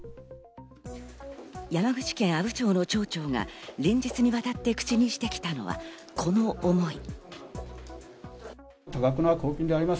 山口県阿武町の町長が連日にわたって口にしてきたのはこの思い。